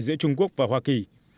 giữa trung quốc và hoa kỳ